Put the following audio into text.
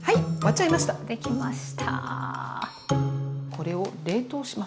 これを冷凍します。